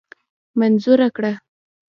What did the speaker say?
منظوره کړه.